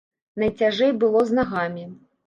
Найцяжэй было з нагамі.